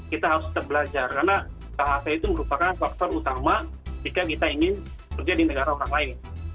kita harus tetap belajar karena khc itu merupakan faktor utama jika kita ingin kerja di negara orang lain